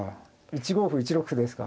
１五歩１六歩ですか。